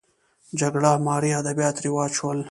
جګړه مارۍ ادبیات رواج شول